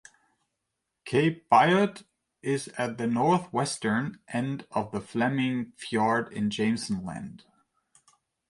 Cape Biot is at the northwestern end of the Fleming Fjord in Jameson Land.